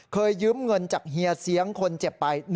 ยืมเงินจากเฮียเสียงคนเจ็บไป